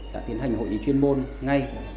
đã tiến hành hội nghị chuyên môn ngay